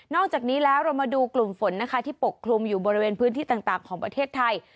อกจากนี้แล้วเรามาดูกลุ่มฝนนะคะที่ปกคลุมอยู่บริเวณพื้นที่ต่างของประเทศไทย